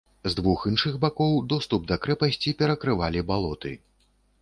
З двух іншых бакоў доступ да крэпасці перакрывалі балоты.